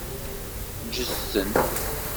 Ǧǧet-ten.